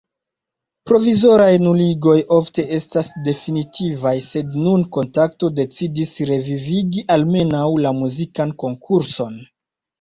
Provizoraj nuligoj ofte estas definitivaj, sed nun Kontakto decidis revivigi almenaŭ la muzikan konkurson.